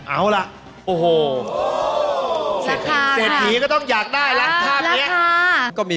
เอาล่ะโอ้โหเสพีก็ต้องอยากได้ละค่ะ